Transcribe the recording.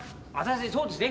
そうですね。